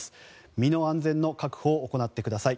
身の安全の確保を行ってください。